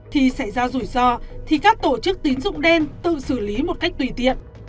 khi xảy ra rủi ro thì các tổ chức tín dụng đen tự xử lý một cách tùy tiện